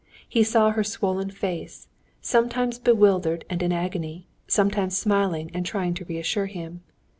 He saw her swollen face, sometimes bewildered and in agony, sometimes smiling and trying to reassure him.